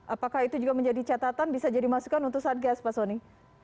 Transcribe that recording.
apakah itu juga menjadi catatan bisa jadi masukan untuk satgas pak soni